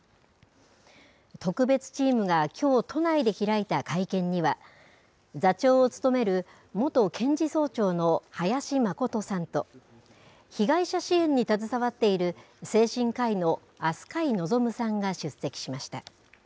特別チームがきょう都内で開いた会見には、座長を務める元検事総長の林眞琴さんと、被害者支援に携わっている精神科医の飛鳥井望さんが出席しました。